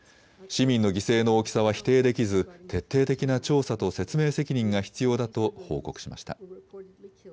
市民の犠牲の大きさは否定できず徹底的な調査と説明責任が必要だと報告しました。